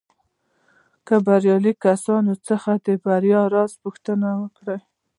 که د برياليو کسانو څخه د بريا راز پوښتنه وکړئ.